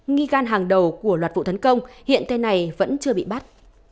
nghi gan hàng đầu của loạt vụ tấn công hiện tên này vẫn chưa bị bắt